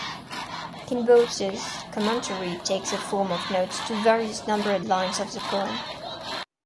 Kinbote's commentary takes the form of notes to various numbered lines of the poem.